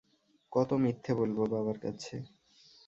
কত মিথ্যে বলব বাবার কাছে?